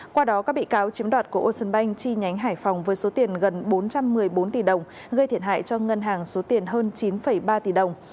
qua đó các bị cáo chiếm đoạt của ocean bank chi nhánh hải phòng với số tiền gần bốn trăm một mươi bốn tỷ đồng gây thiệt hại cho ngân hàng số tiền hơn chín ba tỷ đồng